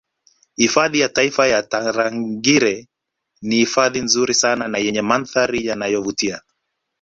Hifadhi ya taifa ya Tarangire ni hifadhi nzuri sana na yenye mandhari yanayovutia